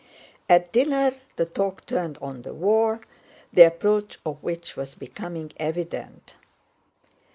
At dinner the talk turned on the war, the approach of which was becoming evident.